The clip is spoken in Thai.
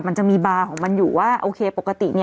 มันจะมีบาร์ของมันอยู่ว่าโอเคปกติ